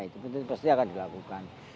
itu pasti akan dilakukan